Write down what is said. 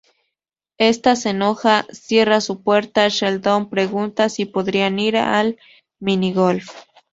Esta se enoja, cierra su puerta y Sheldon pregunta si podrían ir al minigolf.